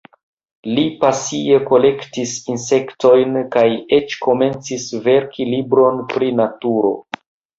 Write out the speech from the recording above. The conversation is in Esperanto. Li pasie kolektis insektojn kaj eĉ komencis verki libron pri naturo.